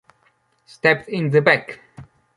Stabbed in the back?